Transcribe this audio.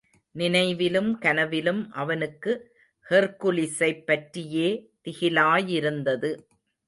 நினைவிலும் கனவிலும் அவனுக்கு ஹெர்க்குலிஸைப்பற்றியே திகிலாயிருந்தது.